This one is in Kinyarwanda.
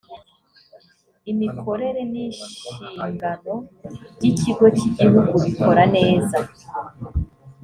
imikorere n ‘inshingano by’ ikigo cy’ igihugu bikora neza.